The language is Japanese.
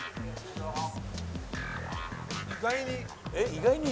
「意外に」